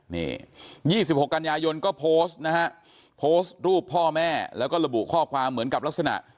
นี่๒๖กันยายนก็โพสต์นะฮะโพสต์รูปพ่อแม่แล้วก็ระบุข้อความเหมือนกับลักษณะ